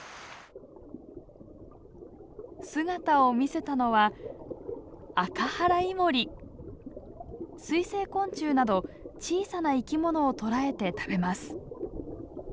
姿を見せたのは水生昆虫など小さな生き物を捕らえて食べます。